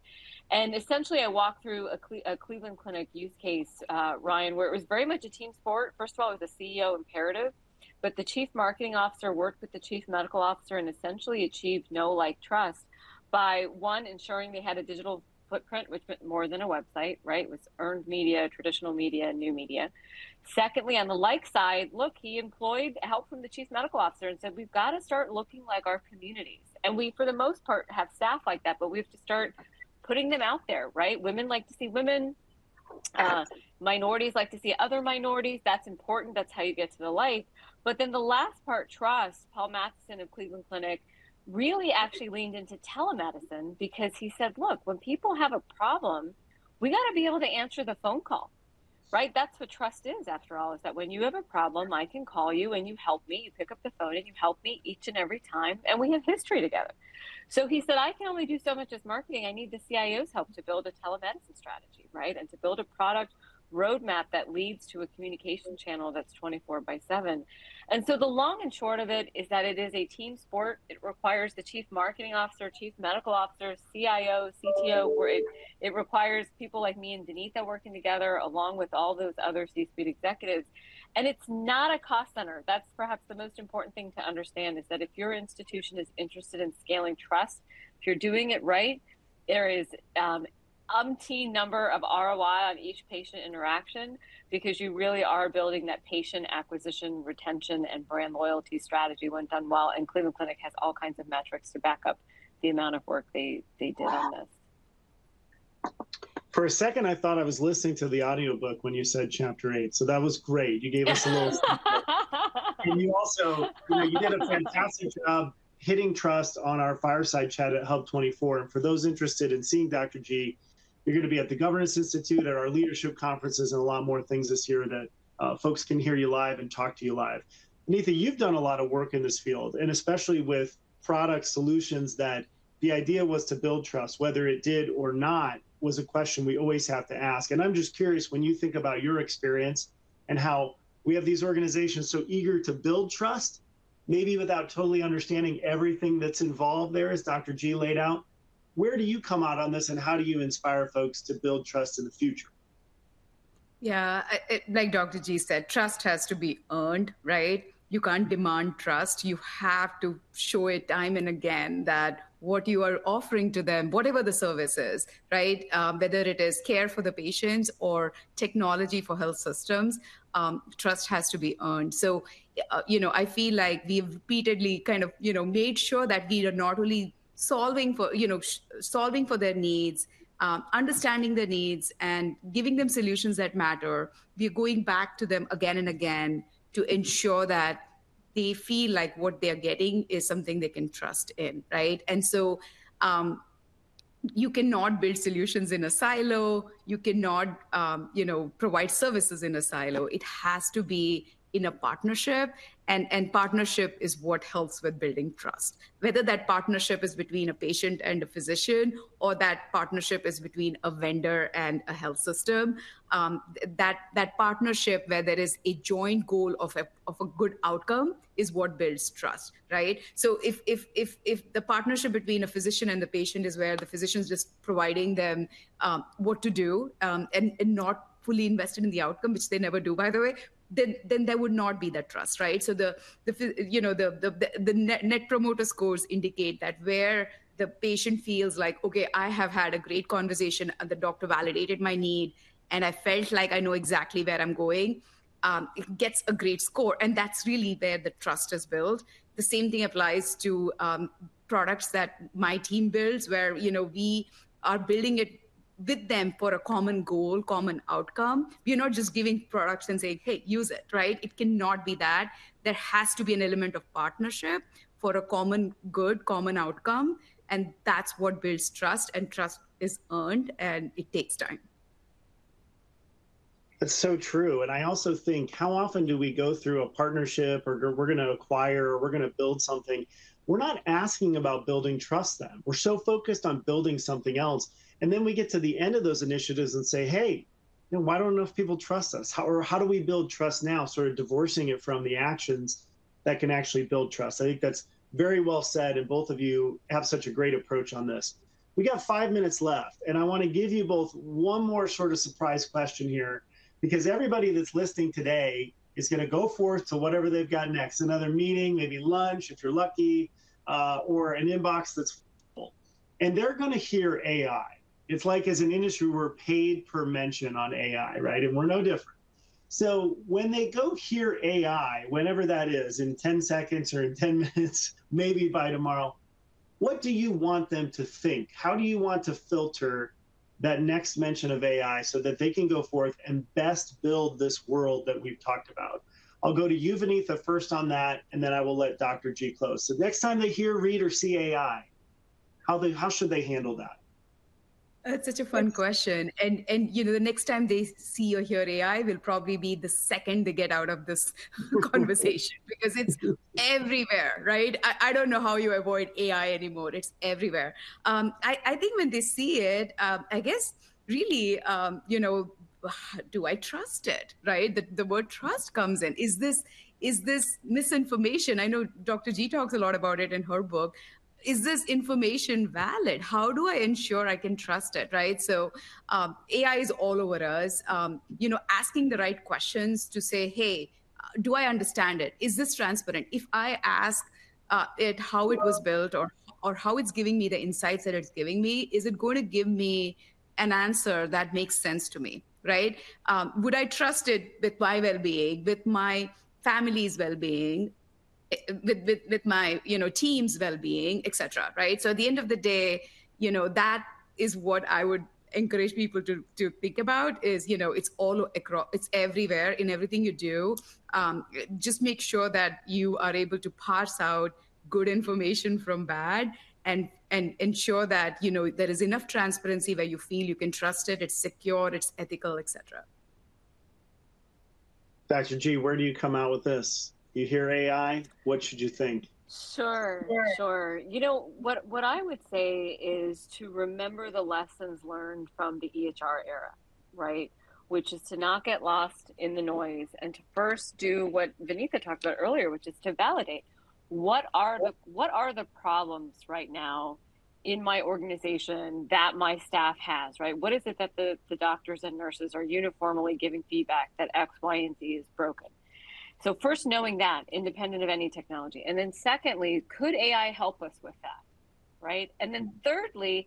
And essentially, I walked through a Cleveland Clinic use case, Ryan, where it was very much a team sport. First of all, it was a CEO imperative, but the chief marketing officer worked with the chief medical officer and essentially achieved know-like trust by, one, ensuring they had a digital footprint, which meant more than a website, right? It was earned media, traditional media, new media. Secondly, on the like side, look, he employed help from the chief medical officer and said, we've got to start looking like our communities. And we, for the most part, have staff like that, but we have to start putting them out there, right? Women like to see women. Minorities like to see other minorities. That's important. That's how you get to the like, but then the last part, trust, Paul Matsen of Cleveland Clinic really actually leaned into telemedicine because he said, look, when people have a problem, we got to be able to answer the phone call, right? That's what trust is after all, is that when you have a problem, I can call you and you help me. You pick up the phone and you help me each and every time, and we have history together, so he said, I can only do so much as marketing. I need the CIO's help to build a telemedicine strategy, right? And to build a product roadmap that leads to a communication channel that's 24 by 7, and so the long and short of it is that it is a team sport. It requires the Chief Marketing Officer, Chief Medical Officer, CIO, CTO, where it requires people like me and Vinitha working together along with all those other C-suite executives. And it's not a cost center. That's perhaps the most important thing to understand is that if your institution is interested in scaling trust, if you're doing it right, there is an umpteen number of ROI on each patient interaction because you really are building that patient acquisition, retention, and brand loyalty strategy when done well. And Cleveland Clinic has all kinds of metrics to back up the amount of work they did on this. For a second, I thought I was listening to the audiobook when you said chapter eight, so that was great. You gave us a little snippet, and you also, you did a fantastic job hitting trust on our fireside chat at HUB 24. And for those interested in seeing Dr. G, you're going to be at The Governance Institute at our leadership conferences and a lot more things this year that folks can hear you live and talk to you live. Vinitha, you've done a lot of work in this field, and especially with product solutions that the idea was to build trust. Whether it did or not was a question we always have to ask, and I'm just curious, when you think about your experience and how we have these organizations so eager to build trust, maybe without totally understanding everything that's involved there, as Dr. Gladwell laid out, where do you come out on this and how do you inspire folks to build trust in the future? Yeah, like Dr. G said, trust has to be earned, right? You can't demand trust. You have to show it time and again that what you are offering to them, whatever the service is, right? Whether it is care for the patients or technology for health systems, trust has to be earned. So, you know, I feel like we have repeatedly kind of, you know, made sure that we are not only solving for, you know, solving for their needs, understanding their needs and giving them solutions that matter. We are going back to them again and again to ensure that they feel like what they are getting is something they can trust in, right? And so you cannot build solutions in a silo. You cannot, you know, provide services in a silo. It has to be in a partnership. And partnership is what helps with building trust. Whether that partnership is between a patient and a physician or that partnership is between a vendor and a health system, that partnership where there is a joint goal of a good outcome is what builds trust, right? So if the partnership between a physician and the patient is where the physician's just providing them what to do and not fully invested in the outcome, which they never do, by the way, then there would not be that trust, right? So the, you know, the Net Promoter Scores indicate that where the patient feels like, okay, I have had a great conversation and the doctor validated my need and I felt like I know exactly where I'm going, it gets a great score, and that's really where the trust is built. The same thing applies to products that my team builds where, you know, we are building it with them for a common goal, common outcome. We are not just giving products and saying, hey, use it, right? It cannot be that. There has to be an element of partnership for a common good, common outcome. And that's what builds trust. And trust is earned and it takes time. That's so true. And I also think how often do we go through a partnership or we're going to acquire or we're going to build something, we're not asking about building trust then. We're so focused on building something else. And then we get to the end of those initiatives and say, hey, you know, why don't enough people trust us? Or how do we build trust now, sort of divorcing it from the actions that can actually build trust? I think that's very well said. And both of you have such a great approach on this. We got five minutes left. And I want to give you both one more sort of surprise question here because everybody that's listening today is going to go forward to whatever they've got next, another meeting, maybe lunch if you're lucky, or an inbox that's full. And they're going to hear AI. It's like as an industry, we're paid per mention on AI, right? And we're no different. So when they go hear AI, whenever that is, in 10 seconds or in 10 minutes, maybe by tomorrow, what do you want them to think? How do you want to filter that next mention of AI so that they can go forth and best build this world that we've talked about? I'll go to you, Vinitha, first on that, and then I will let Dr. G close. So next time they hear, read, or see AI, how should they handle that? That's such a fun question, and, you know, the next time they see or hear AI will probably be the second they get out of this conversation because it's everywhere, right? I don't know how you avoid AI anymore. It's everywhere. I think when they see it, I guess really, you know, do I trust it, right? The word trust comes in. Is this misinformation? I know Dr. G talks a lot about it in her book. Is this information valid? How do I ensure I can trust it, right, so AI is all over us, you know, asking the right questions to say, hey, do I understand it? Is this transparent? If I ask it how it was built or how it's giving me the insights that it's giving me, is it going to give me an answer that makes sense to me, right? Would I trust it with my well-being, with my family's well-being, with my, you know, team's well-being, et cetera, right? So at the end of the day, you know, that is what I would encourage people to think about is, you know, it's all across, it's everywhere in everything you do. Just make sure that you are able to parse out good information from bad and ensure that, you know, there is enough transparency where you feel you can trust it. It's secure, it's ethical, et cetera. Dr. G, where do you come out with this? You hear AI, what should you think? Sure, sure. You know, what I would say is to remember the lessons learned from the EHR era, right? Which is to not get lost in the noise and to first do what Vinitha talked about earlier, which is to validate. What are the problems right now in my organization that my staff has, right? What is it that the doctors and nurses are uniformly giving feedback that X, Y, and Z is broken? So first knowing that, independent of any technology. And then secondly, could AI help us with that, right? And then thirdly,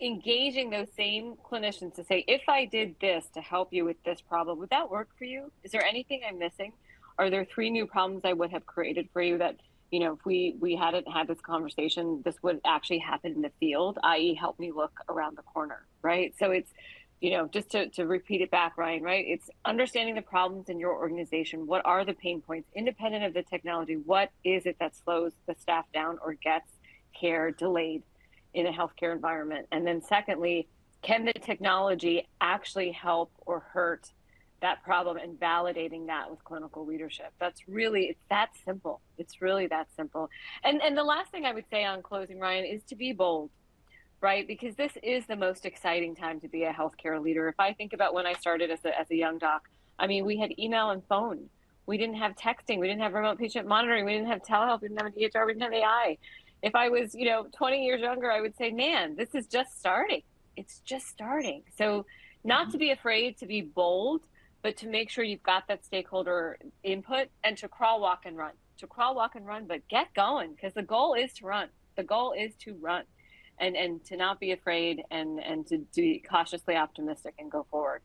engaging those same clinicians to say, if I did this to help you with this problem, would that work for you? Is there anything I'm missing? Are there three new problems I would have created for you that, you know, if we hadn't had this conversation, this would actually happen in the field, i.e., help me look around the corner, right, so it's, you know, just to repeat it back, Ryan, right? It's understanding the problems in your organization. What are the pain points? Independent of the technology, what is it that slows the staff down or gets care delayed in a healthcare environment? And then secondly, can the technology actually help or hurt that problem and validating that with clinical leadership? That's really, it's that simple. It's really that simple and the last thing I would say on closing, Ryan, is to be bold, right? Because this is the most exciting time to be a healthcare leader. If I think about when I started as a young doc, I mean, we had email and phone. We didn't have texting. We didn't have remote patient monitoring. We didn't have telehealth. We didn't have an EHR. We didn't have AI. If I was, you know, 20 years younger, I would say, man, this is just starting. It's just starting. So not to be afraid to be bold, but to make sure you've got that stakeholder input and to crawl, walk, and run. To crawl, walk, and run, but get going because the goal is to run. The goal is to run and to not be afraid and to be cautiously optimistic and go forward.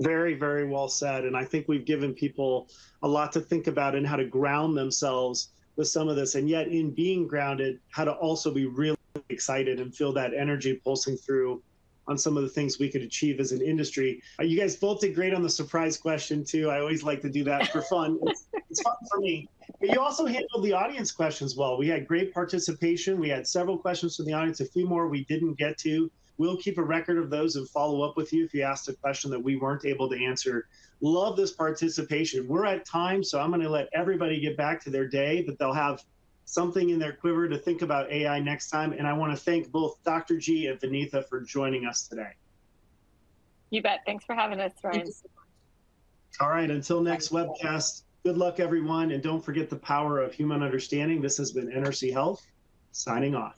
Very, very well said, and I think we've given people a lot to think about and how to ground themselves with some of this, and yet in being grounded, how to also be really excited and feel that energy pulsing through on some of the things we could achieve as an industry. You guys both did great on the surprise question too. I always like to do that for fun. It's fun for me, but you also handled the audience questions well. We had great participation. We had several questions from the audience. A few more we didn't get to. We'll keep a record of those and follow up with you if you asked a question that we weren't able to answer. Love this participation. We're at time, so I'm going to let everybody get back to their day, but they'll have something in their quiver to think about AI next time. And I want to thank both Dr. G and Vinitha for joining us today. You bet. Thanks for having us, Ryan. All right. Until next webcast, good luck, everyone, and don't forget the power of human understanding. This has been NRC Health signing off.